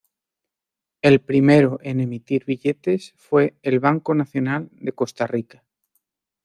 El primero en emitir billetes fue el Banco Nacional de Costa Rica.